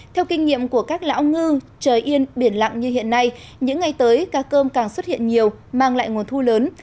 theo kinh nghiệm của các lão ngư trời yên biển lặng như hiện nay những ngày tới cá cơm càng xuất hiện nhiều mang lại nguồn thu lớn